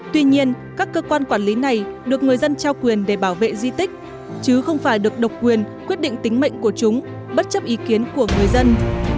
tuy nhiên các cơ quan quản lý này được người dân trao quyền để bảo vệ di tích chứ không phải được độc quyền quyết định tính mệnh của chúng bất chấp ý kiến của người dân